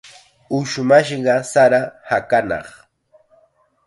Ushmashqa sara hakanaq.